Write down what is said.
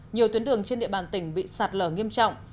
nhiều tuyến đường trên địa bàn tỉnh bị sạt lở nghiêm trọng